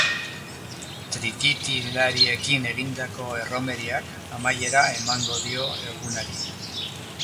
Trikitilariekin egindako erromeriak amaiera emango dio egunari.